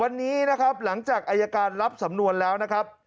วันนี้นะครับหลังจากอายการรับสำนวนแล้วนะครับ